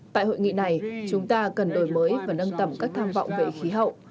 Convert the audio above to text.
tại hội nghị này chúng ta cần đổi mới và nâng tầm các tham vọng về khí hậu